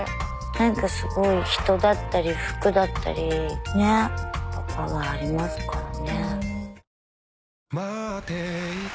なんかすごい人だったり服だったりねえパワーありますからね。